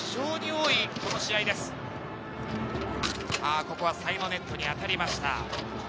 ここはサイドネットに当たりました。